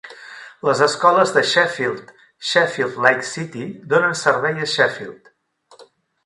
Les escoles de Sheffield-Sheffield Lake City donen servei a Sheffield.